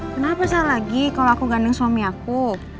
kenapa saya lagi kalau aku gandeng suami aku